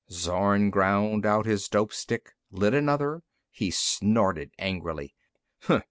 Zorn ground out his dope stick, lit another. He snorted angrily.